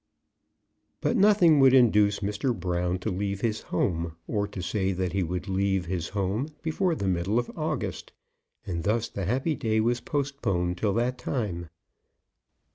But nothing would induce Mr. Brown to leave his home, or to say that he would leave his home, before the middle of August, and thus the happy day was postponed till that time.